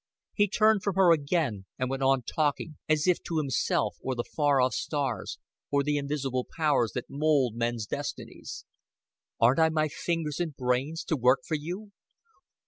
He turned from her again; and went on talking, as if to himself or the far off stars, or the invisible powers that mold men's destinies. "'Aardn't I my fingers and brains to work for you?